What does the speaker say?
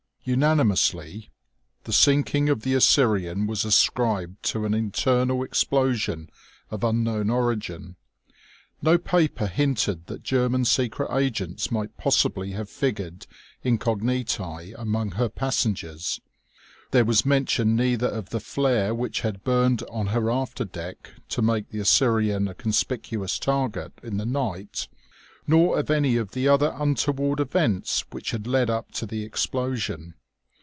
Unanimously the sinking of the Assyrian was ascribed to an internal explosion of unknown origin. No paper hinted that German secret agents might possibly have figured incogniti among her passengers. There was mention neither of the flare which had burned on her after deck to make the Assyrian a conspicuous target in the night, nor of any of the other untoward events which had led up to the explosion.